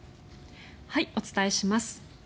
お伝えします。